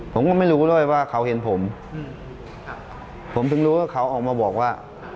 ผมก็ไม่รู้ด้วยว่าเขาเห็นผมผมถึงรู้ว่าเขาออกมาบอกว่า